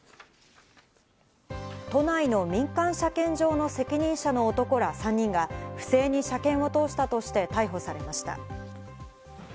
都内の民間車検場の責任者の男ら３人が、不正に車検を通したとして逮捕されました。